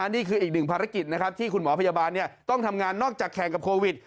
นี่คืออีกหนึ่งภารกิจนะครับที่คุณหมอพยาบาลต้องทำงานนอกจากแข่งกับโควิด